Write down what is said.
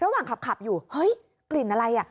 ระหว่างขับอยู่เฮ้ยกลิ่นอะไรอ่ะ